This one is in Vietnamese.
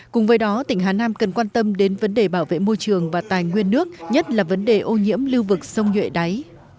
cùng với đó tỉnh hà nam cần quan tâm đến vấn đề bảo vệ môi trường và tài nguyên nước nhất là vấn đề ô nhiễm lưu vực sông nhuệ đáy